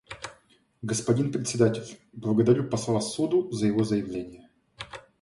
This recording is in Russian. Господин Председатель: Благодарю посла Суду за его заявление.